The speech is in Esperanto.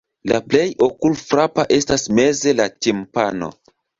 La plej okulfrapa estas meze la timpano.